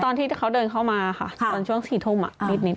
ตอนที่เขาเดินเข้ามาค่ะตอนช่วง๔ทุ่มนิด